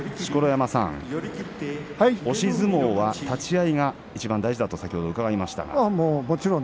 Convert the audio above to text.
錣山さん、押し相撲は立ち合いがいちばん大事だと先ほど伺いました。